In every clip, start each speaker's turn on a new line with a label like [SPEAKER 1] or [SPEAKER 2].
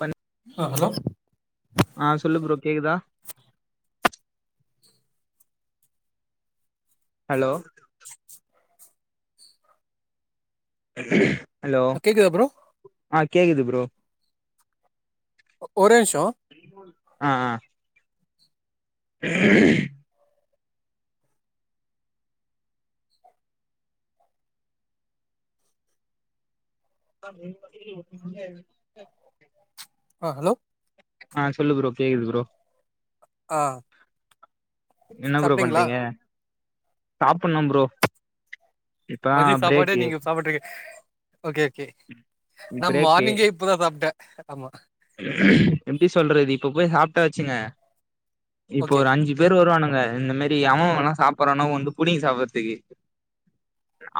[SPEAKER 1] பண்
[SPEAKER 2] ஆ ஹலோ
[SPEAKER 1] ஆ சொல்லு ப்ரோ கேக்குதா ஹலோ ஹலோ
[SPEAKER 2] கேக்குதா ப்ரோ
[SPEAKER 1] ஆ கேக்குது ப்ரோ
[SPEAKER 2] ஒ ஓரே நிம்ஷோ
[SPEAKER 1] ஆ ஆ உஹ [inaudible]
[SPEAKER 2] அ ஹலோ
[SPEAKER 1] அ சொல்லு ப்ரோ கேக்குது ப்ரோ
[SPEAKER 2] ஆ
[SPEAKER 1] என்ன ப்ரோ
[SPEAKER 2] சாப்ட்டீங்களா
[SPEAKER 1] பண்றீங்க சாப்புட்ணு ப்ரோ இப்பதா
[SPEAKER 2] மதிய சாப்பாடே
[SPEAKER 1] பிரேக்கு
[SPEAKER 2] நீங்க சாப்பிட்டு ஓகே ஓகே நா
[SPEAKER 1] பிரேக்கு
[SPEAKER 2] மார்னிங்கே இப்பதா சாப்ட்டே ஆமா
[SPEAKER 1] எப்டி சொல்றது இப்ப போய் சாப்ட்டாச்சுங்க இப்ப
[SPEAKER 2] ஓகே
[SPEAKER 1] ஒரு அஞ்சு பேர் வருவானுங்க இந்த மாரி எவெஎவெல்லா சாப்பற்றானோ வந்து புடுங்கி சாப்பற்றதுக்கு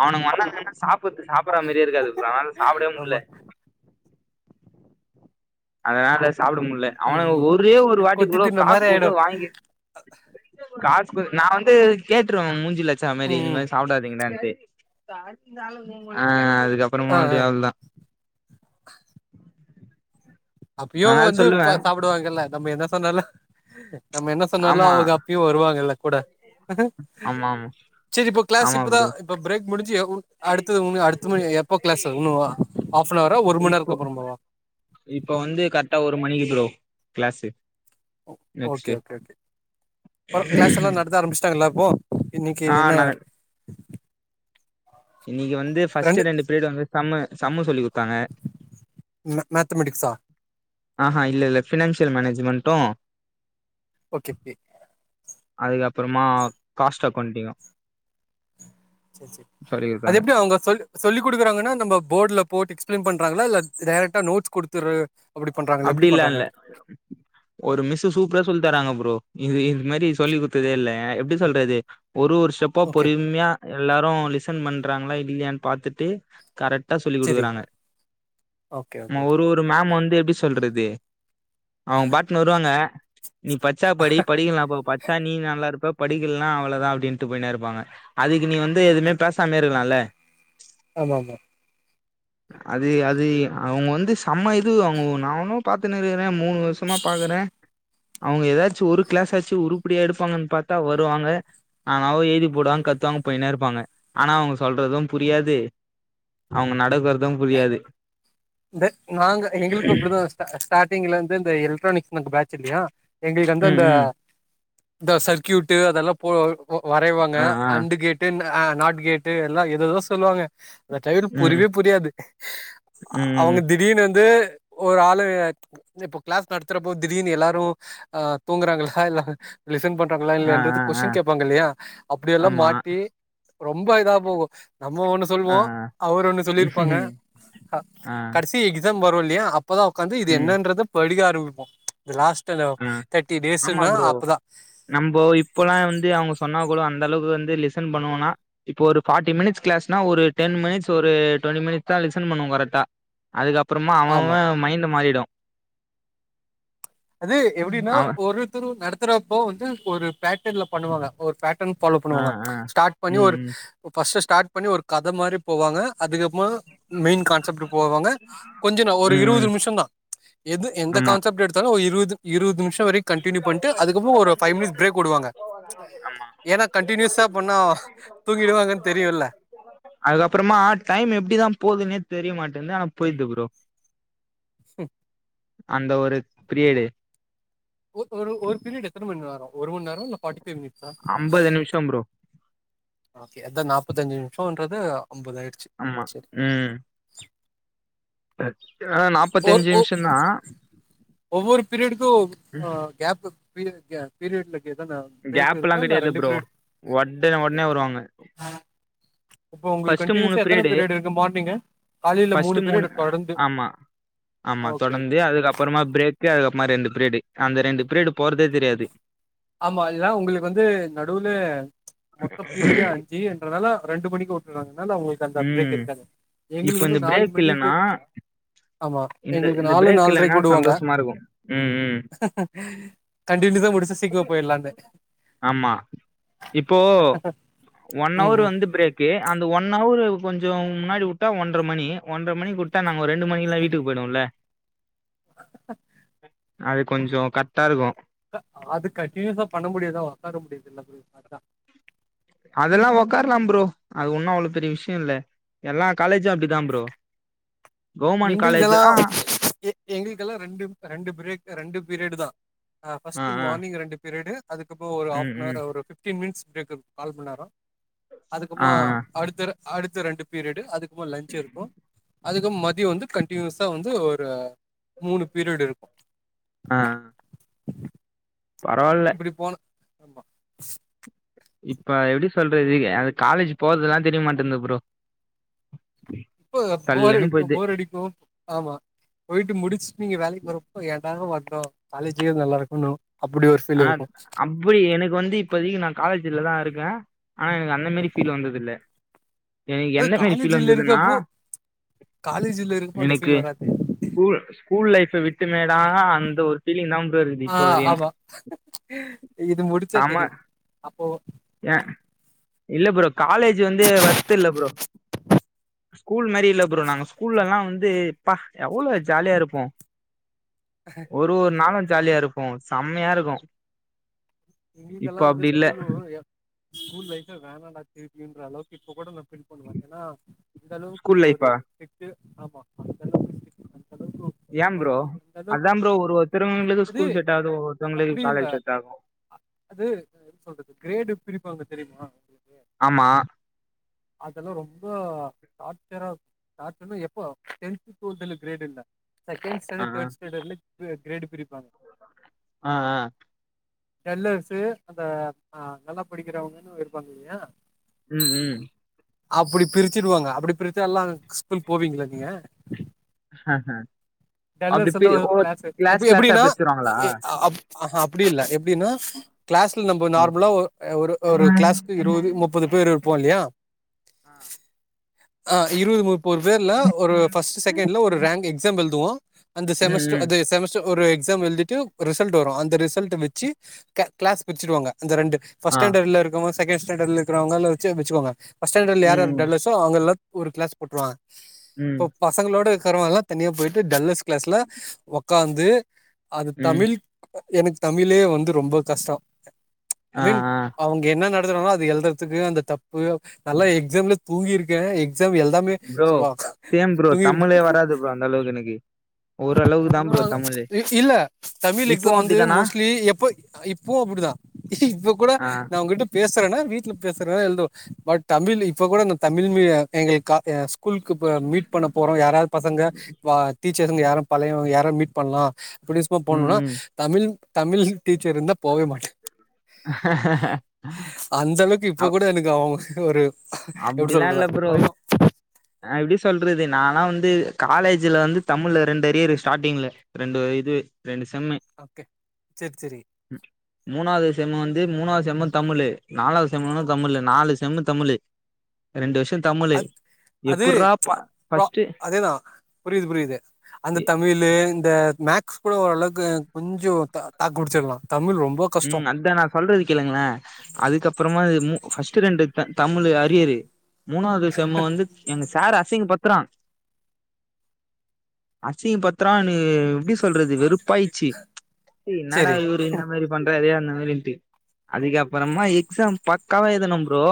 [SPEAKER 1] அவனுங்க வந்தானுகனா சாப்பற்றதுக்கு சாப்பற்ற மாரியே இருக்காது ப்ரோ அதுனால சாப்டவே முட்ல
[SPEAKER 2] ஆமா
[SPEAKER 1] அதுனால சாப்ட முடில
[SPEAKER 2] ம்
[SPEAKER 1] அவனுங்க ஒரே ஒரு
[SPEAKER 2] ம் கொத்தி
[SPEAKER 1] வாட்டிக்கூட
[SPEAKER 2] தின்ன
[SPEAKER 1] காசு
[SPEAKER 2] மாரி ஆயிடு
[SPEAKER 1] குடுத்து வாங்கி காசு குடு நா வந்து கேட்டுருவே மூ மூஞ்சீலா அச்சா மாரி
[SPEAKER 2] ம்
[SPEAKER 1] இந்த
[SPEAKER 2] ம்
[SPEAKER 1] மாரி சாப்டாதிங்கடான்டு அ அதுக்கப்
[SPEAKER 2] ஆ
[SPEAKER 1] பறமா
[SPEAKER 2] ஆ
[SPEAKER 1] அப்டியே அவ்ளதா
[SPEAKER 2] அப்பயு
[SPEAKER 1] அதனால
[SPEAKER 2] வந்து
[SPEAKER 1] சொல்லுவே
[SPEAKER 2] ப சாப்டுவாங்கல்ல நம்ம என்ன சொன்னாலு நம்ம என்ன சொன்னாலு
[SPEAKER 1] ஆமா
[SPEAKER 2] அவ்ங்க டிவோ வருவாங்கல்ல கூட
[SPEAKER 1] ம்
[SPEAKER 2] செரி இப்ப கிளாஸ் இப்பதா இப்ப பிரேக் முடுஞ்சு உ அடுத்தது அடுத்த மணி எப்போ கிளாஸ் ஒண்ணுவா ஹாஃப் அன் அவரா ஒரு மண் நேரக்கு அப்பறமாவா
[SPEAKER 1] இப்ப வந்து கரக்டா ஒரு மணிக்கு ப்ரோ கிளாஸு
[SPEAKER 2] ஓ ஓகே
[SPEAKER 1] நெக்ஸ்ட்டு
[SPEAKER 2] ஓகே ஓகே அப்பறோ கிளாஸ் எல்லா நடத்த ஆரம்பிஸ்ட்டாங்கள்ள இப்போ இன்னக்கி
[SPEAKER 1] ஆ
[SPEAKER 2] என்னா
[SPEAKER 1] நா இன்னக்கி வந்து ஃபஸ்ட் ரெண்டு பீரியட் வந்து சம்மு சம்மு சொல்லி குடுத்தாங்க
[SPEAKER 2] ம மேத்தமேடிக்ஸா
[SPEAKER 1] ஆஹா இல்ல இல்ல ஃபினான்சியல் மேனேஜுமண்ட்டு
[SPEAKER 2] ஓகே கே
[SPEAKER 1] அதுக்கப்பறமா காஸ்ட் அகோண்டிங்கு
[SPEAKER 2] சரி சரி
[SPEAKER 1] சொல்லி
[SPEAKER 2] அது
[SPEAKER 1] குடுத்தாங்க
[SPEAKER 2] எப்டி அவுங்க சொல்லு சொல்லி குடுக்குறாங்கனா நம்ம போர்ட்ல போட்டு எக்ஸ்ப்ளைன் பண்றாங்களா இல்ல டேரக்டா நோட்ஸ் குடுத்துரு
[SPEAKER 1] அப்டிலா இல்ல ஒரு மிஸ்ஸு சூப்பரா சொல்லி தராங்க ப்ரோ இது இது மாரி சொல்லி குடுத்ததே இல்ல ஏ எப்டி சொல்றது ஒரு ஒரு ஸ்டெப்பா
[SPEAKER 2] ஓகே
[SPEAKER 1] பொறும்மயா எல்லாரு லிசன் பண்றாங்களா இல்லயான் பாத்துட்டு கரட்டா சொல்லிக்
[SPEAKER 2] சரி
[SPEAKER 1] குடுக்குறாங்க
[SPEAKER 2] ஓகே ஓகே
[SPEAKER 1] நம்ம
[SPEAKER 2] ஓகே
[SPEAKER 1] ஒரு ஒரு இப்ப மேம் வந்து எப்டி சொல்றது அவ்ங்க பாட்டுன்னு வருவாங்க நீ பச்சா படி படிக்கலான போ பச்சா நீ நல்லா இருப்ப படிக்கலனா அவ்ளதா அப்டின்னுட்டு போய்னே இருப்பாங்க அதுக்கு நீ வந்து எதுமே பேசாமயே இருக்கலால
[SPEAKER 2] ஆமா ஆமா
[SPEAKER 1] அது அது அவுங்க வந்து செம்ம இது அவுங்க நானு பாத்துனு இருக்குறே மூணு வருஷமா பாக்குறே அவுங்க எதாச்சு ஒரு கிளாஸாச்சு உருப்படியா எடுப்பாங்கன் பாத்தா வருவாங்க ஆனா அவோ எழுதி போடுவாங்க கத்துவாங்க போயினே இருப்பாங்க ஆனா அவுங்க சொல்றது புரியாது அவுங்க நடக்குறது புரியாது
[SPEAKER 2] இந்த நாங்க எங்களுக்கு அப்டிதா ஸ்டா ஸ்டாடிங்ல இருந்து இந்த எலக்ட்ரானிக்ஸ் மன்த் பேட்சில்லயா எங்களுக்கு வந்து
[SPEAKER 1] ம்
[SPEAKER 2] அந்த
[SPEAKER 1] ம்
[SPEAKER 2] இந்த சர்க்யூட்டு அதல்லா போ ஒ வரைவாங்க
[SPEAKER 1] ஆ ஆ
[SPEAKER 2] அண்டு கேட்டு ஆ நாட் கேட்டு எல்லா எதேதோ சொல்லுவாங்க அந்த டையர்
[SPEAKER 1] ம்
[SPEAKER 2] புரிவே புரியாது அவுங்க
[SPEAKER 1] ம்
[SPEAKER 2] திடீர்னு வந்து ஒரு ஆளு இப்ப கிளாஸ் நடத்துறப்போ திடீர்னு எல்லாரு அ தூங்குறாங்களா இல்ல லிசன் பண்றாங்களா இல்ல
[SPEAKER 1] ஆ
[SPEAKER 2] என்றது
[SPEAKER 1] ஆ ஆ
[SPEAKER 2] கொஸ்டின் கேப்பாங்க இல்லயா அப்டியெல்லா
[SPEAKER 1] ஆமா
[SPEAKER 2] மாட்டி ரொம்ப இதா போகு நம்ம ஒண்ணு
[SPEAKER 1] ஆ ஆ
[SPEAKER 2] சொல்வோ அவரு ஒண்ணு சொல்லிருப்பாங்க
[SPEAKER 1] ஆ
[SPEAKER 2] கடசி எக்ஸாம் வரு இல்லயா அப்பதா உக்காந்து இது
[SPEAKER 1] ம்
[SPEAKER 2] என்னான்றது படிக்க ஆரம்பிப்போ இந்த லாஸ்ட்டனா
[SPEAKER 1] ஆ
[SPEAKER 2] தர்டி
[SPEAKER 1] ஆமா
[SPEAKER 2] டேஸ்ஸுன்னா
[SPEAKER 1] ப்ரோ
[SPEAKER 2] அப்பதா
[SPEAKER 1] நம்போ இப்பல்லா வந்து அவுங்க சொன்னா கூட அந்த அளவுக்கு வந்து லிசன் பண்ணுவனா இப்போ ஒரு ஃபாட்டி மினிட்ஸ் கிளாஸ்னா ஒரு டென் மினிட்ஸ் ஒரு டுவென்ட்டி மினிட்ஸ் தா லிசன் பண்ணுவோ கரைக்டா. அதுக்கப்பறமா அவ
[SPEAKER 2] ஆமா
[SPEAKER 1] அவ மைண்டு மாறிடு.
[SPEAKER 2] அது எப்டின்னா
[SPEAKER 1] அவ
[SPEAKER 2] ஒருத்தரு நடத்துறப்போ வந்து ஒரு பேட்டன்ல பண்ணுவாங்க ஒரு பேட் டன் ஃபாலோ
[SPEAKER 1] ஆ
[SPEAKER 2] பண்ணுவாங்க.
[SPEAKER 1] ஆ
[SPEAKER 2] ஸ்டாட் பண்ணி
[SPEAKER 1] ம்
[SPEAKER 2] ஒரு
[SPEAKER 1] ம்
[SPEAKER 2] ஃபஸ்ட்டு ஸ்டாட் பண்ணி ஒரு கத மாரி போவாங்க. அதுக்கப்மா மெயின் கான்செப்ட் போவாங்க. கொஞ்சனா ஒரு
[SPEAKER 1] ம்
[SPEAKER 2] இருவுது
[SPEAKER 1] ம்
[SPEAKER 2] நிம்ஷந்தா எது எந்த கான்செப்ட் எடுத்தாலு ஒ இருவ்து இருவ்து நிமிஷோ வரிக் கண்டினியூ பண்ட்டு அதுக்கப்புறோ ஒரு ஃபை
[SPEAKER 1] ஆமா
[SPEAKER 2] மினிஸ் பிரேக் உடுவாங்க ஏனா கண்டினியூஸா பண்ணா தூங்கிருவாங்கன் தெரியுல்ல.
[SPEAKER 1] அதுக்கப்பறமா டைம் எப்டிதா போதுன்னே தெரிய மாட்டின்து ஆனா போய்ர்து ப்ரோ. அந்த ஒரு ப்ரியடு
[SPEAKER 2] ஒ ஒரு ஒரு பிரியடு எத்தன மண் நேரோ ஒரு மண் நேரமா இல்ல ஃபாட்டி ஃபை மினிட்ஸா?
[SPEAKER 1] அம்பது நிமிஷோ ப்ரோ
[SPEAKER 2] ஓகே அத்தா நாப்பத்தஞ்சு நிம்ஷோன்றது அம்பது ஆயிடுச்சு
[SPEAKER 1] ஆமா
[SPEAKER 2] செரி.
[SPEAKER 1] ம். த அ நாப்பத்தஞ்சி
[SPEAKER 2] ஒரு
[SPEAKER 1] நிம்ஷந்தா.
[SPEAKER 2] ஒவ்வொரு பீரியடுக்கு ஆ கேப்பு பீயக பீரியட்லக்கே தான.
[SPEAKER 1] கேப் எல்லா கெடையாது ப்ரோ ஒட்டனே
[SPEAKER 2] ஓகே
[SPEAKER 1] ஒனே வருவாங்க.
[SPEAKER 2] இப்போ உங்குள்
[SPEAKER 1] ஃபர்ஸ்ட்டு மூணு
[SPEAKER 2] கண்டினியூசா எத்தன பீரியடு இருக்கு மானிங்கு காலைல மூணு பீரியடு தொடந்து.
[SPEAKER 1] ஆமா ஆமா தொடந்து அதுக்கப்பறமா பிரே க்கு அதுக்கப்மா ரெண்டு பிரீயடு அந்த ரெண்டு பிரீயடு போறதே தெரியாது.
[SPEAKER 2] ஆமா இதா உங்குளுக்கு வந்து நடுவுல மொத்த பீரியடே அ ஞ்சின்றனால ரண்டு மணிக்கு உட்றாங்ளா இல்ல உங்குள் அந்த பிரேக்
[SPEAKER 1] ம்
[SPEAKER 2] இருக்காது
[SPEAKER 1] இப்ப
[SPEAKER 2] எங்குளுக்கு
[SPEAKER 1] இந்த
[SPEAKER 2] வந்து நால்
[SPEAKER 1] பிரேக்
[SPEAKER 2] மணிக்கு
[SPEAKER 1] இல்லன்னா
[SPEAKER 2] ஆமா
[SPEAKER 1] இந்த
[SPEAKER 2] எங்குளுக்கு
[SPEAKER 1] இந்த
[SPEAKER 2] நாலு
[SPEAKER 1] பிரேக் இல்லன்னா
[SPEAKER 2] நால்ரைக்கு உடுவாங்க.
[SPEAKER 1] சந்தோஷமா இருக்கு ம் ம்
[SPEAKER 2] கண்டினியூசா முடிச்சா சீக்மா போய்ல்
[SPEAKER 1] ஆமா இப்போ ஒன்
[SPEAKER 2] ம்
[SPEAKER 1] அவர்
[SPEAKER 2] ம்.
[SPEAKER 1] வந் டு பிரேக்கு அந்த ஒன் அவுரு கொஞ்சோ முன்னாடி உட்டா ஒன்ற மணி ஒன்ற மணிக் உட் டா நாங்க ஒ ரெண்டு மணிக்ல்லா வீட்டுக் போய்டுவோல்ல. அது கொஞ்சோ கர்ட்டாருக்கு.
[SPEAKER 2] அ அது கண்டினியூசஸா பண்ண முடியாதா ஒக்கார முடியாதுல்ல அப்டி பாத்தா.
[SPEAKER 1] அதெல்லா ஒக்கார்லாம் ப்ரோ அது ஒன்னு அவ்ளோ பெரிய விஷ்யொ இல்ல எல்லா காலேஜு அப்டிதா ப்ரோ. கவுர்மெண்ட்
[SPEAKER 2] எங்குளுக்கெல்லா
[SPEAKER 1] காலேஜ்லா
[SPEAKER 2] எ எங்குளுக்கெல்லா ரெண்டுப் ரெண்டு பிரேக் ரெண்டு பீரியடு தா. அ
[SPEAKER 1] ஆ
[SPEAKER 2] ஃபஸ்ட்டு
[SPEAKER 1] ஆ
[SPEAKER 2] மார்னிங் ரெண்டு பீரியடு. அதுக்கப்போ ஒரு
[SPEAKER 1] ம் ம்
[SPEAKER 2] ஹாஃப்னவரா ஒரு ஃபிஃப்டீன் மினிட்ஸ் ப்ரேக்கு கால் மண் நேரோ
[SPEAKER 1] ஆ
[SPEAKER 2] அதுக்கப்மா
[SPEAKER 1] ஆ
[SPEAKER 2] அடுத்தர அடுத்த ரண்டு பீரியடு அதுக்குமா லன்ச் இருக்கு அதுகப் ம தியோ வந்து கண்டினியூஸா வந்து ஒரு மூணு பீரியடு இருக்கு.
[SPEAKER 1] அ பரவால்
[SPEAKER 2] டி போன
[SPEAKER 1] இப்ப எப்டி சொல்றது அது காலேஜ் போர்துலாந் தெரியமாட்டன்து ப்ரோ.
[SPEAKER 2] ப்பு போர்
[SPEAKER 1] சல்லுன்னு
[SPEAKER 2] இப்ப
[SPEAKER 1] போயிடுது
[SPEAKER 2] போர் அடிக்கு. ஆமா போய்ட்டு முடிச்ட்டு நீங்க வேலைக் வரப்போ ஏண்டா வந்தோ காலேஜ்லியே நல்லாருக்குன்னு.
[SPEAKER 1] அ அப் பிடி எனக்கு வந்து இப்போதைக்கி நா காலேஜ்ல தா இருக்கே ஆனா எனக்கு அந்த மாரி ஃபீல் வந்ததில்ல. எனக்கு
[SPEAKER 2] அது
[SPEAKER 1] எந்த மாரி ஃபீல்
[SPEAKER 2] காலேஜ்ல
[SPEAKER 1] வந்ததுனா
[SPEAKER 2] இருக்கப்போ காலேஜ்ல இருக்கப்போ அந்த
[SPEAKER 1] எனக்கு
[SPEAKER 2] ஃபீல் வராது.
[SPEAKER 1] ஸ்கூல் ஸ்கூல் லைஃப் விட்டு மேதா அந்த ஒரு ஃபீலிங் நாம்பரு
[SPEAKER 2] ஆ ஆமா இது முடிச்சா தெரியு அப்போ
[SPEAKER 1] ஏன் இல்ல ப்ரோ காலேஜ் வந்து வொர்த்தில்ல ப்ரோ ஸ்கூல் மாரி இல்ல ப்ரோ நாங்க ஸ்கூல்ல எல்லா வந்து ப்பா எவ்ளோ ஜாலியா இருப்போ ஒரு ஒரு நாளு ஜாலியா இருப்போ செம்மயா இருக்கு இப்ப
[SPEAKER 2] எங்களுக்கெல்லா வந்து
[SPEAKER 1] அப்டி இல்ல
[SPEAKER 2] ஸ்கூலு ஸ்கூல் லைஃப் வேனாட்டா திருப்பியுன்ற அளவுக்கு இப்ப கூட நா ஃபீல் பண்ணுவ ஏனா இந்த அளவுக்கு
[SPEAKER 1] ஸ்கூல்
[SPEAKER 2] ஒரு
[SPEAKER 1] லைஃபா
[SPEAKER 2] கு ஆமா அந்த அளவுக்கு அந்த அளவுக்கு
[SPEAKER 1] ஏன் ப்ரோ
[SPEAKER 2] படி அந்த அளவுக்கு
[SPEAKER 1] அதான் ப்ரோ ஒரு ஒருத்தவங்களுக்கு
[SPEAKER 2] அது
[SPEAKER 1] ஸ்கூல் செட் ஆகுது ஒவ்வொருத்தவங்களுக்கு
[SPEAKER 2] அப்படி இல்ல
[SPEAKER 1] காலேஜு செட் ஆகு
[SPEAKER 2] அது எப்டி சொல்றது கிரேடு பிரிப்பாங்க தெரிமா
[SPEAKER 1] ஆமா
[SPEAKER 2] அதெல்லா ரொம்ப டார்ச்சரா நா சொன்ன எப்போ டென் டுவெல்த்ல கிரேடு இல்ல செகண்ட்
[SPEAKER 1] ஆ
[SPEAKER 2] ஸ்டாண்டர் தேர்டு ஸ்டாண்டர்ல்ல கிரேடு பிரிப்பாங்க
[SPEAKER 1] அ அ
[SPEAKER 2] டல்லர்ஸு அந்த அ நல்லா படிக்கிறவங்கன்னு இருப்பாங்க இல்லயா
[SPEAKER 1] ம் ம்
[SPEAKER 2] அப்டி பிரிச்சிடுவாங்க அப்டி பிரிச்சால்லா ஸ்கூல் போவீங்ளா நீங்க
[SPEAKER 1] ஹஹ
[SPEAKER 2] டல்லர்ஸ்ல்லா ஒரே கிளாஸு
[SPEAKER 1] கிளாஸா
[SPEAKER 2] எப்டினா
[SPEAKER 1] பிரிச்சிருவாங்களா
[SPEAKER 2] ஆஹா அப்டி இல்ல எப்டினா கிளாஸ்ல நம்ம நார்மலா ஒரு ஒரு கிளாஸ் இருவது
[SPEAKER 1] ம்
[SPEAKER 2] முப்பது பேர் இருப்போ இல்லயா ஆ இருவது முப்பது பேர்ல ஒரு ஃபர்ஸ்ட் செக்ண்ட்ல ஒரு ரேங்க் எக்ஸாம் எழுதுவோ அந்த செமஸ்டர்
[SPEAKER 1] ம்
[SPEAKER 2] அது செமஸ் ஒரு எக்ஸாம் எழுதிட்டு ரிசல்ட் வரு அந்த ரிசல்ட்ட வெச்சு கிளாஸ் பிரிச்சிடுவாங்க அந்த ரெண்டு ஃபர்ஸ்ட்
[SPEAKER 1] ஆ
[SPEAKER 2] ஸ்டாண்டுல இருக்குறவங்க செகன்ட் ஸ்டாண்டுல இருக்கறவங்கள வெச்சு பிரிச்சிடுவாங்க ஃபர்ஸ்ட் ஸ்டாண்டுல யார் யார்
[SPEAKER 1] ம்
[SPEAKER 2] டவ்லர்ஸ்ஸோ அவுங்கெல்லா ஒரு கிளாஸ் போட்டுருவாங்க
[SPEAKER 1] ம்
[SPEAKER 2] இப்ப பசங்களோட இருக்கறவாங்க எல்லா தனியா போயிட்டு டல்லர்ஸ் கிளாஸ்ல ஒக்காந்து அது
[SPEAKER 1] ம்
[SPEAKER 2] தமிழ் எனக்கு தமிழே வந்து ரொம்ப கஷ்டோ ஐ
[SPEAKER 1] ஆ
[SPEAKER 2] மீன்
[SPEAKER 1] ஆ
[SPEAKER 2] அவுங்க என்ன நடத்தறாங்ளோ அத எழ்தர்றதுக்கு அந்த தப்பு நா எல்லா எக்ஸாம்ல தூங்கிருக்க எக்ஸ்சாம் எழுதாமயே
[SPEAKER 1] ப்ரோ
[SPEAKER 2] சும்மா
[SPEAKER 1] சேம் ப்ரோ தமிழே
[SPEAKER 2] தூங்கிட்டிருப்ப
[SPEAKER 1] வராது ப்ரோ அந்த அளவுக்கு எனக்கு ஓரளவுக்கு தா
[SPEAKER 2] நா
[SPEAKER 1] ப்ரோ தமிழு
[SPEAKER 2] எல்லா இல்ல தமிழ்
[SPEAKER 1] இப்பவு
[SPEAKER 2] எக்ஸாம் வந்து
[SPEAKER 1] அப்டிதானா
[SPEAKER 2] மோஸ்ட்லி எப்ப இப்பவு அப்டிதா இப்ப கூட
[SPEAKER 1] ஆ
[SPEAKER 2] நான் உன்கிட்ட பேசறனா வீட்ல பேசறனால எழுது பட் தமிழ் இப்ப கூட நா தமிழ் மீ எங்களுக்கு கா ஸ்கூலுக்கு மீட் பண்ண போறோ யாரா பசங்க டீச்சர்ஸ்ங்க யாரு பழையவங்க யாரு மீட் பண்லா அப்டின்னு சும்மா
[SPEAKER 1] ம்
[SPEAKER 2] போணுனா
[SPEAKER 1] ம்
[SPEAKER 2] தமிழ் தமிழ் டீச்சர் இருந்தா போவே மாட்ட அந்த அளவுக்கு இப்ப
[SPEAKER 1] அப்
[SPEAKER 2] கூட எனக்கு அவுங்க ஒரு எப்டி
[SPEAKER 1] அப்டிலா
[SPEAKER 2] சொல்றது
[SPEAKER 1] இல்ல ப்ரோ
[SPEAKER 2] பயோ
[SPEAKER 1] எப்டி சொல்றது நானெல்லா வந்து காலேஜ்ல வந்து தமிழ்ல ரெண்டு அரியர் ஸ்டார்டிங்ல ரெண்டு இது ரெண்டு செம்மு
[SPEAKER 2] ஓகே சேர் சேரி
[SPEAKER 1] ம் மூணாவது செம்மு வந்து மூணாவது செம்மு தமிழு நாலாவது செம்மும் தமிழ் நாலு செம்மு தமிழு ரெண்டு வருஷோ தமிழ்
[SPEAKER 2] அத் அது வா
[SPEAKER 1] ஃபஸ்ட்டு
[SPEAKER 2] அதேதா புரியிது புரியிது அந்த தமிழு இந்த மேக்ஸ் கூட ஓரளவுக்கு கொஞ்சோ தாக்கு புடிச்சிடலா தமிழ் ரொம்ப கஷ்டோ
[SPEAKER 1] உம் அதா நா சொல்றது கேளுங்களே அதுக்கப்புறமாது மூ பஸ்ட்டு ரெண்டு த தமிழு அரியரு மூணாவது செம்மு வந்து எங் சாரு அசிங்க படுத்துரா அசிங்க படுத்துரானு எப்டி சொல்றது வெறுப்பாயிச்சி சி இன்னடா
[SPEAKER 2] செரி
[SPEAKER 1] இவரு பண்றாறே அந்த மாரின்ட்டு அதுக்கப்பறமா எக்ஸாம் பக்காவா எழுதுன ஃப்ரோ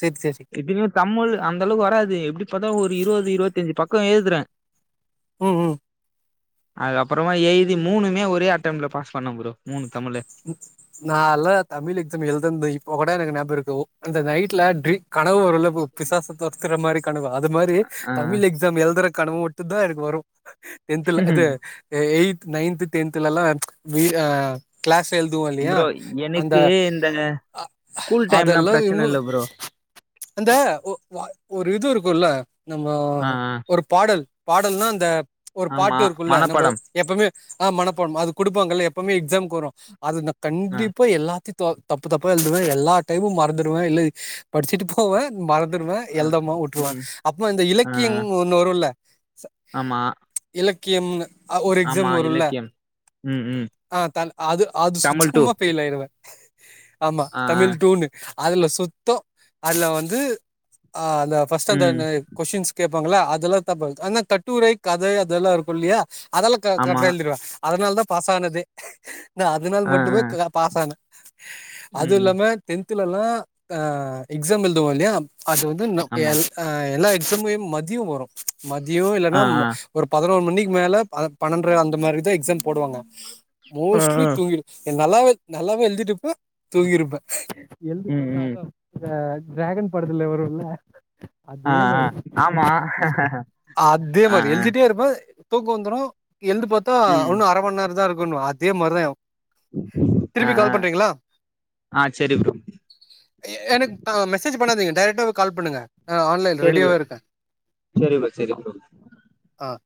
[SPEAKER 2] செர் செரி
[SPEAKER 1] எப்பிமே தமிழ் அந்த அளவுக்கு வராது எப்டி பார்த்தா ஒரு இருபது இருவத்தி அஞ்சு பக்கோ எழுதுறே
[SPEAKER 2] ஓ ஓ
[SPEAKER 1] அதுக் அப்றமா எழுதி மூணுமே ஒரே அட்டம்ட்ல பாஸ் பண்ண ஃப்ரோ மூணு தமிழு
[SPEAKER 2] நால்லா தமிழ் எக்ஸாம் எழ்தந்து இப்போ கூட எனக்கு நியாபக இருக்கு அந்த நைட்ல ட்ரீ கனவு வருல்ல ப்ரோ பிசாசு தொறத்துற மாரி கனவு அது மாரி
[SPEAKER 1] ஆ
[SPEAKER 2] தமிழ் எக் ஸாம் எழ்தற கனவு மட்டுந்தா எனக்கு வரும் டென்துல அது எயித் நைன்த் டென்தலல்லா வி ஆ க்ளாஸ் எழ்துவோ இல்லையா
[SPEAKER 1] ப்ரோ
[SPEAKER 2] அந்த
[SPEAKER 1] எனக்கு இந்த
[SPEAKER 2] அ
[SPEAKER 1] ஸ்கூல் டைம்லா
[SPEAKER 2] அதல்ல
[SPEAKER 1] பிரச்சன
[SPEAKER 2] இன்னு
[SPEAKER 1] இல்ல ப்ரோ
[SPEAKER 2] அந்த ஒ ஒ ஒரு இது இருக்குல்ல நம்ம
[SPEAKER 1] ஆ ஆ
[SPEAKER 2] ஒருப் பாடல் பாடல்னா அந்த ஒரு
[SPEAKER 1] ஆமா
[SPEAKER 2] பாட்டு இருக்குல்ல நம்ப
[SPEAKER 1] மனப்பாடம்
[SPEAKER 2] எப்பமே ஆ மனப்பாட்மா அது குடுப்பாங்கல்லா எப்பமே எக்ஸாம்க்கு வரு அது நா
[SPEAKER 1] ஆ
[SPEAKER 2] கண்டிப்பா எல்லாத்தியு தொ தப்பு தப்பா எழுதுவே எல்லா டைமும் மறந்துடுவே இல்ல படிச்சிட்டு போவே மறந்துடுவே
[SPEAKER 1] ஆ
[SPEAKER 2] எழ்தமா வுட்டுருவே
[SPEAKER 1] ம்
[SPEAKER 2] அப்பமா இந்த
[SPEAKER 1] ஆ
[SPEAKER 2] இலக்கியங் ஒன்னு வருல்ல
[SPEAKER 1] ஆமா
[SPEAKER 2] இலக்கியம்ன்னு ஒரு
[SPEAKER 1] ஆமா
[SPEAKER 2] எக்ஸாம் வருல்ல
[SPEAKER 1] இலக்கியம் ம் ம்
[SPEAKER 2] ஆ த அது அது
[SPEAKER 1] தமிழ் டூ
[SPEAKER 2] சுத்தமா பெயில் ஆயிருவே ஆமா
[SPEAKER 1] ஆ ஆ
[SPEAKER 2] தமிழ் டூனு அதுல சுத்தோ அதுல வந்து ஆ அந்த
[SPEAKER 1] ம்
[SPEAKER 2] பர்ஸ்ட்டந்தனெ கொஷின்ஸ் கேப்பாங்களா அதல்லா தப்பு ஆனா கட்டுரை கதை அதல்லா இருக்குல்லியா அதல்லா க
[SPEAKER 1] ஆமா
[SPEAKER 2] கர்ட்டா எழ்திருவ அதனால தா பாசானதே நா அதனால்
[SPEAKER 1] ஆ
[SPEAKER 2] மட்டுமே
[SPEAKER 1] ஆ
[SPEAKER 2] கா பாஸ் ஆன
[SPEAKER 1] ம்
[SPEAKER 2] அதுவுல்லாம டென்தலல்லா ஆ எக்ஸாம் எழ்துவோல்லையா அது வந்து ன்னு
[SPEAKER 1] ஆமா
[SPEAKER 2] எல்லா எக்ஸாம்யும் மதியோ வரு மதியோ
[SPEAKER 1] ஆ
[SPEAKER 2] இல்லன்னா
[SPEAKER 1] ஆ
[SPEAKER 2] ஒரு பதனோரு மணிக்கு மேல பன்னென்ர அந்த மாரி தா எக்ஸாம் போடுவாங்க
[SPEAKER 1] ஆ
[SPEAKER 2] மோஸ்ட்லி
[SPEAKER 1] ஆ
[SPEAKER 2] நல்லாவே நல்லாவே எழுதிட்டுப்பே தூங்கிருப்ப எழ்ந்து
[SPEAKER 1] ம்
[SPEAKER 2] பாத்தா
[SPEAKER 1] ம்
[SPEAKER 2] அதா ஆ ட்ராகன் படத்துல வருல்ல
[SPEAKER 1] ஆ
[SPEAKER 2] அதே
[SPEAKER 1] ஆ
[SPEAKER 2] மாரி
[SPEAKER 1] ஆமா
[SPEAKER 2] அதே
[SPEAKER 1] ஆ
[SPEAKER 2] மாரி
[SPEAKER 1] ஆ
[SPEAKER 2] எழுதிட்டே இருப்பே தூக்கோ வந்துரு எழுந்து பாத்தா
[SPEAKER 1] ம்
[SPEAKER 2] உன்னு அரை மண் நேரோந்தா இருக்குன்னுவா அதே மாரிதா
[SPEAKER 1] ஆ
[SPEAKER 2] திருப்பி
[SPEAKER 1] ஆ
[SPEAKER 2] கால் பண்றீங்களா
[SPEAKER 1] ஆ செரி ப்ரோ
[SPEAKER 2] எனக்கு மெசேஜ் பண்ணாதீங்க டைரக்டாவே கால் பண்ணுங்க ஆஹ் ஆன்லைன்
[SPEAKER 1] செரி ப்ரோ
[SPEAKER 2] ரெடியாவே இருக்கே
[SPEAKER 1] செரி ப்ரோ செரி ப்ரோ
[SPEAKER 2] ஆ